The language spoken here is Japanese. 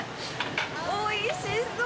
おいしそう！